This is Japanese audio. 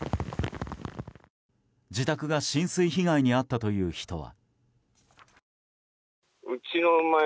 自宅が浸水被害に遭ったという人は。